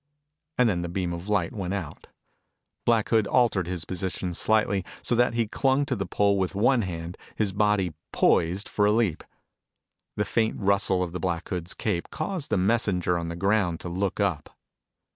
And then the beam of light went out. Black Hood altered his position slightly so that he clung to the pole with one hand, his body poised for a leap. The faint rustle of the Black Hood's cape caused the messenger on the ground to look up.